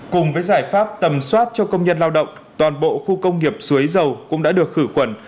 cùng với giải pháp tầm soát cho công nhân lao động toàn bộ khu công nghiệp suối dầu cũng đã được khử khuẩn